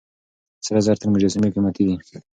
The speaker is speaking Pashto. سره زر تر مجسمې قيمتي دي.